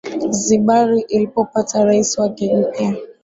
zibar ilipopata rais wake mpya